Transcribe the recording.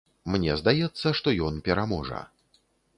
Мне здаецца, што ён пераможа.